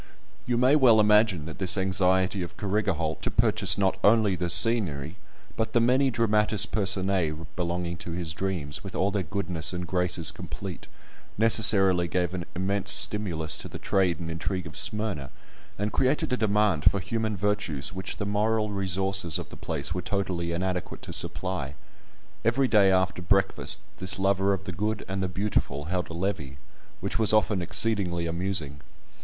You may well imagine that this anxiety of Carrigaholt to purchase not only the scenery, but the many dramatis personæ belonging to his dreams, with all their goodness and graces complete, necessarily gave an immense stimulus to the trade and intrigue of Smyrna, and created a demand for human virtues which the moral resources of the place were totally inadequate to supply. Every day after breakfast this lover of the good and the beautiful held a levee, which was often exceedingly amusing.